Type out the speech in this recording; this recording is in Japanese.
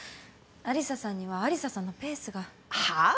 有沙さんには有沙さんのペースが。はあ？